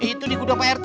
itu di kudok prt